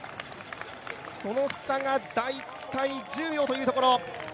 その差が大体１０秒というところ。